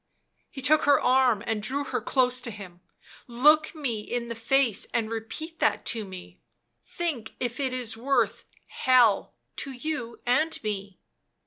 77 — he took her arm and drew her close to him — li look me in the face and repeat that to me ; think if it is worth — Hell — to you and me